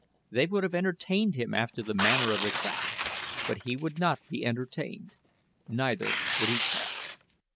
They would have entertained him after the manner of the craft, but he would not be entertained neither would he talk.